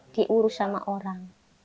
diurus oleh orang